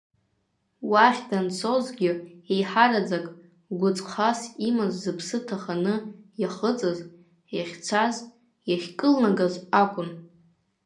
Уахь данцозгьы еиҳараӡак гәыҵхас имаз зыԥсы ҭаханы иахыҵыз, иахьцаз, иахькылнагаз акәын.